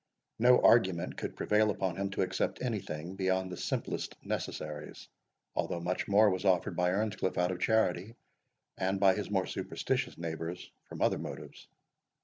No argument could prevail upon him to accept anything beyond the simplest necessaries, although much more was offered by Earnscliff out of charity, and by his more superstitious neighbours from other motives.